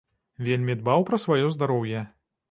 Вельмі дбаў пра сваё здароўе.